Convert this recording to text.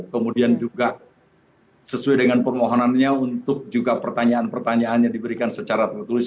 kemudian juga sesuai dengan permohonannya untuk juga pertanyaan pertanyaannya diberikan secara tertulis